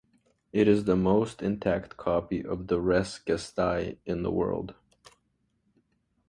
It is the most intact copy of the "Res Gestae" in the world.